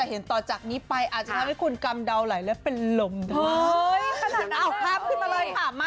เอาภาพขึ้นมาเลยค่ะมา